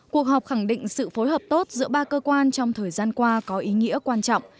cuộc họp khẳng định sự phối hợp tốt giữa ba cơ quan trong thời gian qua có ý nghĩa quan trọng